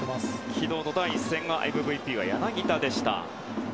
昨日の第１戦のＭＶＰは柳田でした。